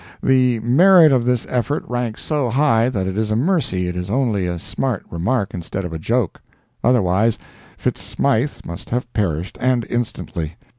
The merit of this effort ranks so high that it is a mercy it is only a smart remark instead of a joke—otherwise Fitz Smythe must have perished, and instantly.